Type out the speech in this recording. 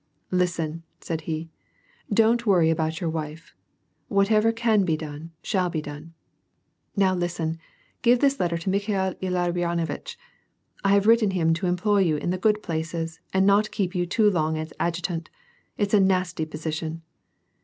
" Listen," said he, don't worry about your wife. What ever can be done, shall be done. Now listen : give this letter to Mikhail Ilarionovitch * I have written him to employ you in the good places, and not keep you too long as adjutant, — it's a nasty position.